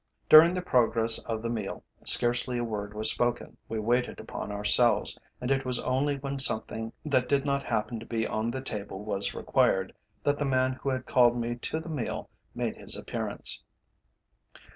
During the progress of the meal, scarcely a word was spoken. We waited upon ourselves, and it was only when something that did not happen to be on the table was required, that the man who had called me to the meal made his appearance.